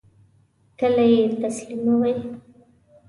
کله یی تسلیموئ؟